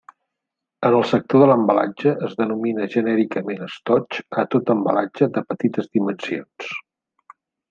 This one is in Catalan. En el sector de l'embalatge, es denomina genèricament estoig a tot embalatge de petites dimensions.